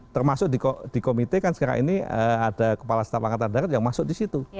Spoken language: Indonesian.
termasuk di komite kan sekarang ini ada kepala setapang kata daerah yang masuk disitu